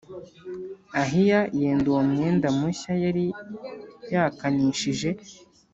Ahiya yenda uwo mwenda mushya yari yakanishije